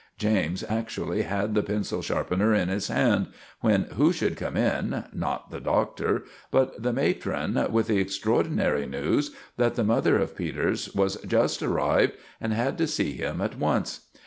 James actually had the pencil sharpener in his hand, when who should come in—not the Doctor—but the matron, with the extraordinary news that the mother of Peters was just arrived and had to see him at once!